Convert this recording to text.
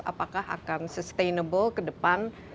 apakah akan multifaktor sebelum